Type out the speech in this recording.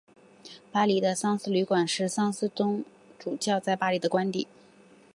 巴黎的桑斯旅馆是桑斯总主教在巴黎的官邸。